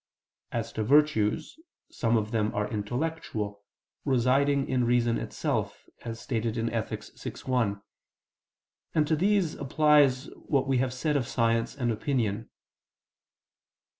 As to virtues, some of them are intellectual, residing in reason itself, as stated in Ethic. vi, 1: and to these applies what we have said of science and opinion.